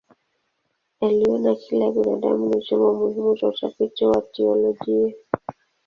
Aliona akili ya binadamu ni chombo muhimu cha utafiti wa teolojia.